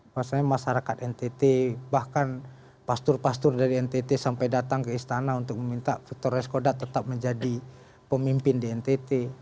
maksudnya masyarakat ntt bahkan pastur pastur dari ntt sampai datang ke istana untuk meminta victor reskodat tetap menjadi pemimpin di ntt